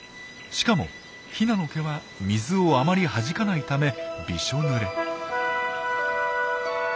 しかもヒナの毛は水をあまりはじかないためびしょぬれ。